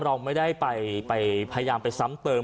เราไม่ได้ไปพยายามไปซ้ำเติม